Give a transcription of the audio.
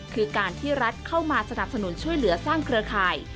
คือการที่รัฐเข้ามาสนับสนุนช่วยเหลือสร้างเครือข่าย